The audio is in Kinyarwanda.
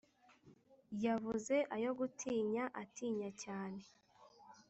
yavuze ayo gutinya atinya cyane